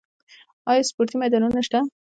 آیا سپورتي میدانونه شته؟